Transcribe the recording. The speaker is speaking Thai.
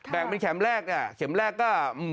แบ่งเป็นแขมแรกแขมแรกก็๑๐๘๐๐๐